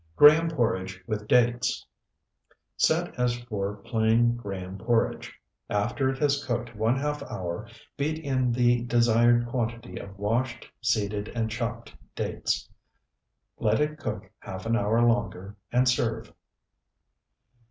GRAHAM PORRIDGE WITH DATES Set as for plain graham porridge; after it has cooked one half hour, beat in the desired quantity of washed, seeded, and chopped dates; let it cook half an hour longer, and serve.